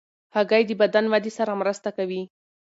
هګۍ د بدن ودې سره مرسته کوي.